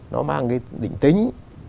nó mang cái định tính